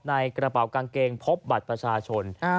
ในกระเป๋ากางเกงพบบัตรประชาชน